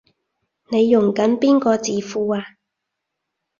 你用緊邊個字庫啊？